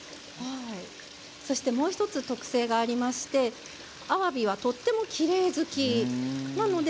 そして、もう１つ特性がありましてあわびはとてもきれい好きなんです。